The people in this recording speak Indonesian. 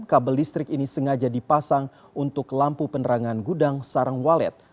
kabel listrik ini sengaja dipasang untuk lampu penerangan gudang sarang walet